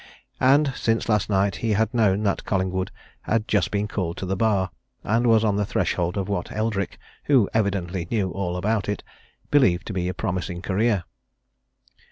And since last night he had known that Collingwood had just been called to the Bar, and was on the threshold of what Eldrick, who evidently knew all about it, believed to be a promising career.